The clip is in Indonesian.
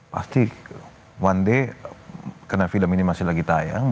pasti one day karena film ini masih lagi tayang